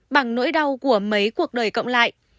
bằng nỗi đau của mấy cuộc đời cộng lại